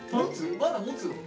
まだもつの？